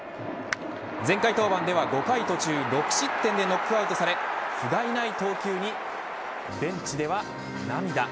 前回登板では５回途中６失点でノックアウトされふがいない投球にベンチでは涙。